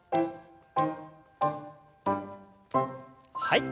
はい。